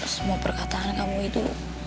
semua perkataan kamu itu